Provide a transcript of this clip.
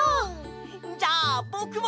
じゃあぼくも！